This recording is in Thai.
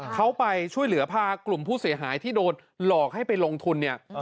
เขาไปช่วยเหลือพากลุ่มผู้เสียหายที่โดนหลอกให้ไปลงทุนเนี่ย